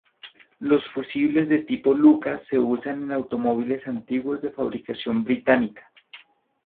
Los fusibles de tipo Lucas se usan en automóviles antiguos de fabricación británica.